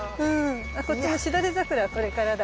こっちのしだれ桜はこれからだ。